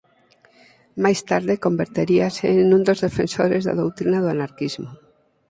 Máis tarde converteríase nun dos defensores da doutrina do anarquismo.